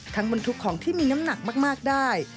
บรรทุกของที่มีน้ำหนักมากได้